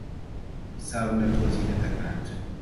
سابلە تۆزی دەتەکاند